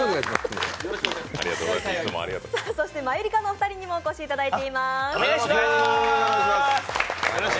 そしてマユリカのお二人にもお越しいただいています。